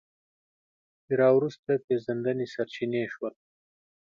د راوروسته پېژندنې سرچینې شول